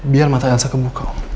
biar mata elsa kebuka om